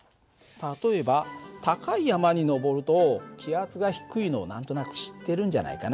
例えば高い山に登ると気圧が低いのを何となく知ってるんじゃないかな。